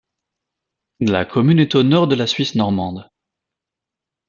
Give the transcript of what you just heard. La commune est au nord de la Suisse normande.